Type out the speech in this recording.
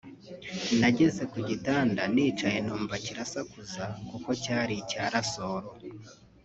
nageze ku gitanda nicaye numva kirasakuza kuko cyari icya rasoro